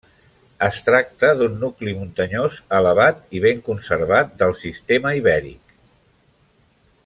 Es tracta d'un nucli muntanyós elevat i ben conservat del sistema Ibèric.